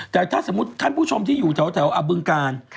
แต่ถ้าสมมุติท่านผู้ชมที่อยู่แถวอบึงการ